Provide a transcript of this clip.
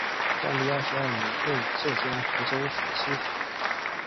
万历二十二年任浙江湖州府知府。